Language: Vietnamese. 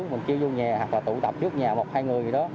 mình kêu vô nhà hoặc là tụ tập trước nhà một hai người gì đó